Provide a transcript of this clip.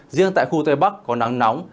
riêng tại khu tây bắc có nắng nóng